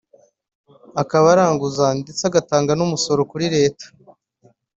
akaba aranguza ndetse agatanga n’umusoro kuri Leta